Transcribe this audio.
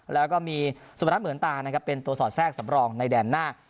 แล้วก็มีสมรรถเหมือนตาเป็นตัวสอดแทรกสำรองในแดนหน้า